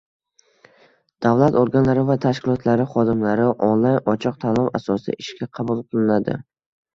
Davlat organlari va tashkilotlari xodimlari onlayn ochiq tanlov asosida ishga qabul qilinadi